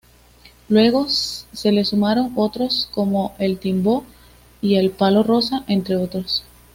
Luego se le sumaron otros como el timbó y el palo rosa, entre otros.